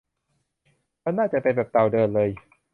มันน่าจะเป็นแบบเต่าเดินเลย